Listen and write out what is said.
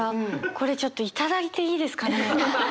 これちょっと頂いていいですかね？